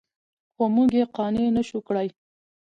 خو موږ یې قانع نه شوو کړی.